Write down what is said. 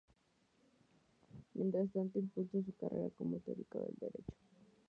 Mientras tanto, impulsó su carrera como teórico del Derecho.